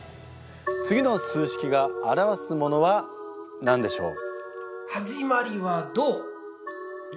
次の数式が表すものは何でしょう？